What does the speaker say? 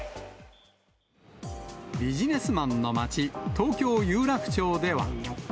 ビジネスマンの街、東京・有楽町では。